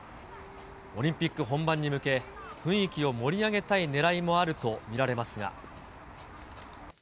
オリンピック本番に向け、雰囲気を盛り上げたいねらいもあると見られますが。